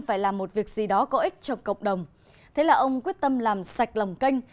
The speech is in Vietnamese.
phải làm một việc gì đó có ích cho cộng đồng thế là ông quyết tâm làm sạch lòng canh